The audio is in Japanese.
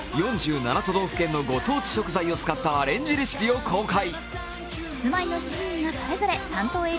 サッポロ一番が４７都道府県のご当地食材を使ったアレンジレシピを公開。